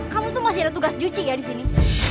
kamu tuh masih ada tugas cuci ya disini